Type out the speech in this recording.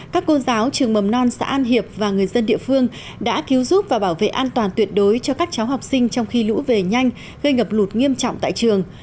các cô giáo trường mầm non xã an hiệp và người dân địa phương đã cứu giúp và bảo vệ an toàn tuyệt đối cho các cháu học sinh trong khi lũ về nhanh gây ngập lụt nghiêm trọng tại trường